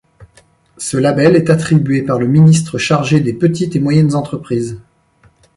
Ce label est attribué par le ministre chargé des Petites et Moyennes Entreprises.